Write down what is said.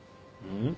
ん？